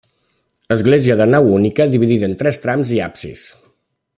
Església de nau única dividida en tres trams i absis.